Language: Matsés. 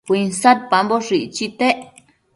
uinsadpamboshë icchitec